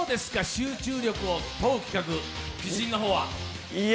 集中力を問う企画、自信の方は。